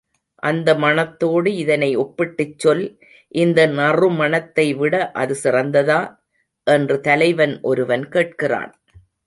அந்த மணத்தோடு இதனை ஒப்பிட்டுச் சொல் இந்த நறுமணத்தைவிட அது சிறந்ததா? என்று தலைவன் ஒருவன் கேட்கிறான்.